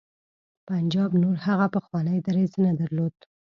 پنجاب نور هغه پخوانی دریځ نه درلود.